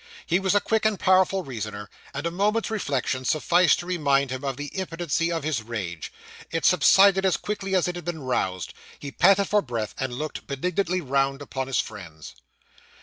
He was a quick and powerful reasoner; and a moment's reflection sufficed to remind him of the impotency of his rage. It subsided as quickly as it had been roused. He panted for breath, and looked benignantly round upon his friends.